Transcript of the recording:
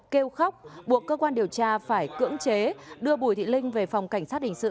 kêu khóc buộc cơ quan điều tra phải cưỡng chế đưa bùi thị linh về phòng cảnh sát hình sự